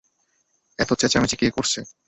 এত চেঁচামেচি কে করছে?